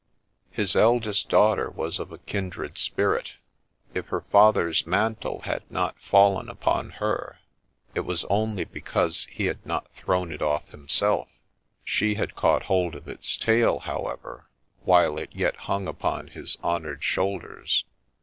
His eldest daughter was of a kindred spirit : if her father's mantle had not fallen upon her, it was only because he had not thrown it off himself ; she had caught hold of its tail, however, while it yet hung upon his honoured shoulders.